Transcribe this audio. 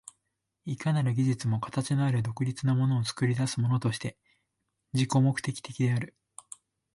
いかなる技術も形のある独立なものを作り出すものとして自己目的的である。